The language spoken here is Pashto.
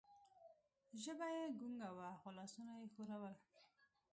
ژبه یې ګونګه وه، خو لاسونه یې ښورول.